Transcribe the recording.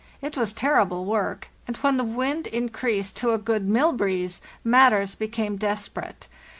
It was terrible work, and when the wind increased to a good 'mill breeze' matters became desperate.